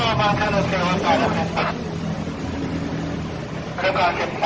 เครื่องการถึงเก้าฝั่ง